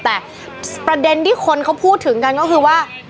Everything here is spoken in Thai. แต่ประเด็นที่คนเขาพูดถึงกันก็คือว่า